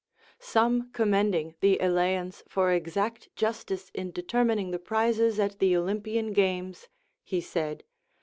Some commending the Eleans for exact justice in determining the prizes at the Olympian games, he said.